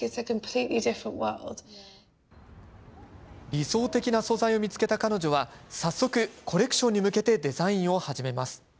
理想的な素材を見つけた彼女は早速、コレクションに向けてデザインを始めます。